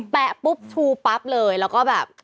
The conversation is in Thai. แปะปุ๊บชูปั๊บเลยแล้วก็แบบ